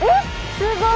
すごい！